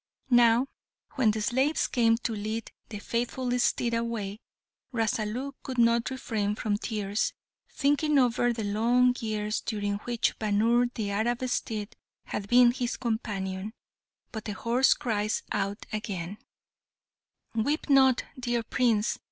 Now, when the slaves came to lead the faithful steed away, Rasalu could not refrain from tears, thinking over the long years during which Bhaunr, the Arab steed, had been his companion. But the horse cried out again, "Weep not, dear Prince!